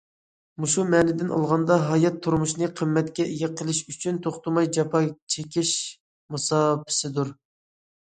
مۇشۇ مەنىدىن ئالغاندا ھايات تۇرمۇشىنى قىممەتكە ئىگە قىلىش ئۈچۈن توختىماي جاپا چېكىش مۇساپىسىدۇر.